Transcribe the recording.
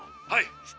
はい。